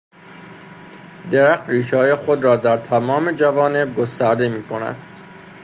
درخت ریشههای خود را در تمام جوانب گسترده میکند.